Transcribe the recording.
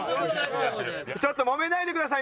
ちょっともめないでください